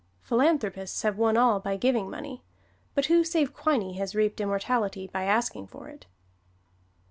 Philanthropists have won all by giving money, but who save Quiney has reaped immortality by asking for it!